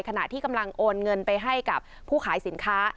ขณะที่กำลังโอนเงินไปให้กับผู้ขายสินค้า